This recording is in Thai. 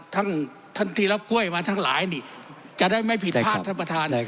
ท่านท่านที่รับกล้วยมาทั้งหลายนี่จะได้ไม่ผิดพลาดท่านประธาน